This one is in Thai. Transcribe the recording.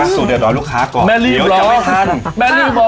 สูตรเดียวร้อยลูกค้าก่อนเดี๋ยวจะไม่ทันแม่รีบร้อยแม่รีบบอกแม่